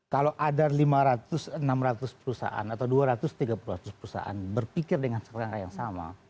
kalau ada lima ratus enam ratus perusahaan atau dua ratus tiga puluh ratus perusahaan berpikir dengan sekarang yang sama